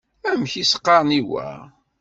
Amek i s-qqaren i wa?